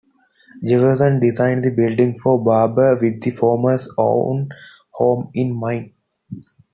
Jefferson designed the building for Barbour with the former's own home in mind.